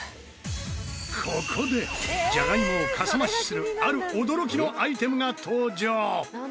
ここでじゃがいもをかさ増しするある驚きのアイテムが登場。